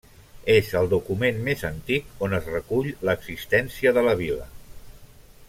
És el document més antic on es recull l'existència de la vila.